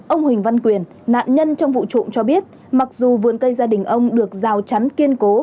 ông huỳnh văn quyền nạn nhân trong vụ trộm cho biết mặc dù vườn cây gia đình ông được rào chắn kiên cố